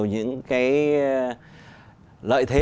những cái lợi thế